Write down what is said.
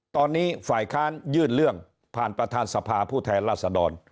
ตอนนี้ฝ่ายค้านยื่นเรื่องผ่านประธานสภาผู้แทนราษดร